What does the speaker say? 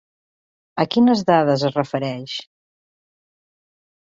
A quines dades es refereix?